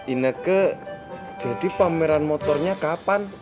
inake jadi pameran motornya kapan